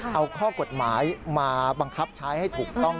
เอาข้อกฎหมายมาบังคับใช้ให้ถูกต้อง